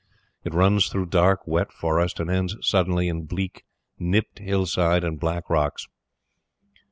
It runs through dark wet forest, and ends suddenly in bleak, nipped hill side and black rocks.